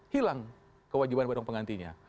hilang kewajiban uang penggantinya